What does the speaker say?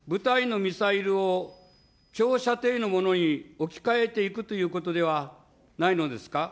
こうした部隊のミサイルを長射程のものに置き換えていくということではないのですか。